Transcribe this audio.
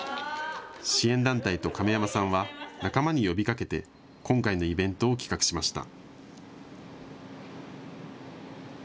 支援団体と亀山さんは仲間に呼びかけて今回のイベントを企画しました。